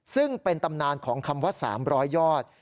ซึ่งเป็นตำนานของคำว่า๓๐๐ยอด